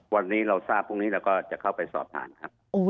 วันนี้เราทราบพรุ่งนี้เราก็จะเข้าไปสอบถามครับ